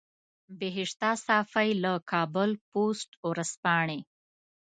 بهشته صافۍ له کابل پوسټ ورځپاڼې.